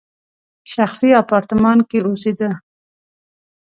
شخصي اپارتمان کې اوسېده.